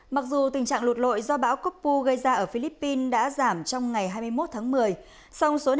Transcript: mặc dù tình trạng lụt lội do bão copu gây ra ở philippines đã giảm trong ngày hai mươi một tháng một mươi